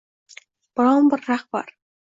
Biron bir rahbar